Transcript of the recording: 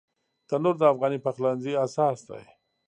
تنور د افغاني پخلنځي اساس دی